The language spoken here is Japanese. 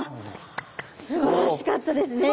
すばらしかったですね。